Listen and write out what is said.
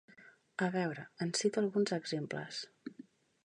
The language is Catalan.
A veure, en cito alguns exemples.